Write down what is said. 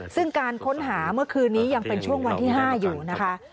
ซึ่งการค้นหาเมื่อคืนนี้ยังเป็นช่วงวันที่๕อยู่นะคะ